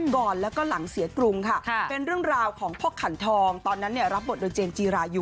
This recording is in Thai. ก่อนแล้วก็หลังเสียกรุงค่ะเป็นเรื่องราวของพ่อขันทองตอนนั้นรับบทโดยเจมสจีรายุ